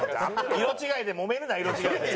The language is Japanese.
色違いでもめるな色違いで。